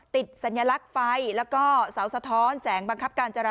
สัญลักษณ์ไฟแล้วก็เสาสะท้อนแสงบังคับการจราจร